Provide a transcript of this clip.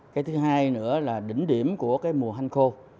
cái thứ hai nữa là đỉnh điểm của cái mùa hanh khô